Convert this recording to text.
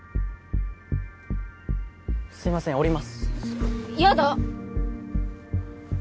すいません降りますやだ！